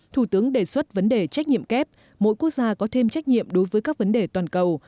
thủ tướng đề xuất vấn đề trách nhiệm kép mỗi quốc gia có thêm trách nhiệm đối với các vấn đề toàn cầu